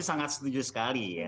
sangat setuju sekali ya